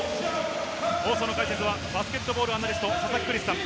放送の解説はバスケットボールアナリスト・佐々木クリスさん。